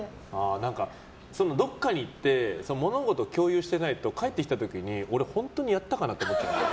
どこかに行って物事を共有してないと帰ってきた時に俺本当にやったかなって思っちゃう。